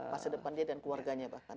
masa depan dia dan keluarganya bahkan